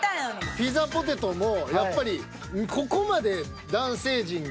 ピザポテトもやっぱりここまで男性陣が。